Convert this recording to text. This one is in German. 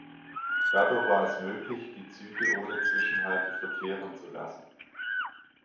Dadurch war es möglich, die Züge ohne Zwischenhalte verkehren zu lassen.